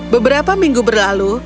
beberapa minggu berlalu